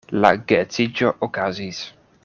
La geedziĝo okazis.